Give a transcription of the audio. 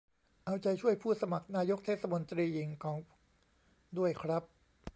เอาใจช่วยผู้สมัครนายกเทศมนตรีหญิง ของ ด้วยครับ